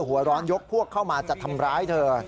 หัวร้อนยกพวกเข้ามาจะทำร้ายเธอ